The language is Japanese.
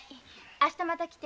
明日また来てね。